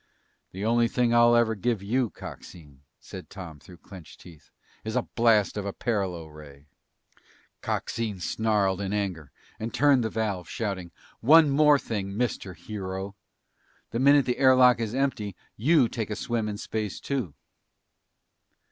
"The only thing I'll ever give you, Coxine," said Tom through clenched teeth, "is a blast of a paralo ray!" Coxine snarled in anger and turned the valve, shouting, "One more thing, Mister Hero! The minute the air lock is empty, you take a swim in space too!"